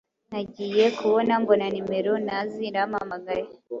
nagiye kubona mbona nimero ntazi irampamagaye